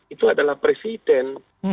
itu adalah presiden